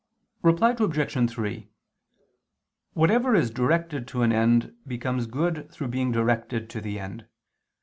Reply Obj. 3: Whatever is directed to an end, becomes good through being directed to the end.